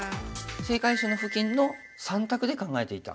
正解手の付近の３択で考えていた。